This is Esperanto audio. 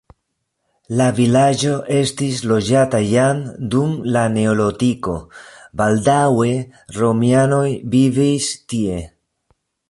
La vilaĝo estis loĝata jam dum la neolitiko, baldaŭe romianoj vivis tie.